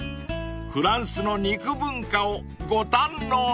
［フランスの肉文化をご堪能ください］